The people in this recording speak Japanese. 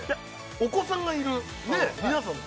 お子さんがいるねえ皆さん